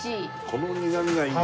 この苦みがいい。